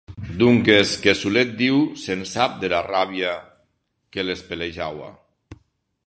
Donques que solet Diu se’n sap dera ràbia que les pelejaua.